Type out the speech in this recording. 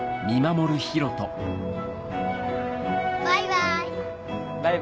バイバイ！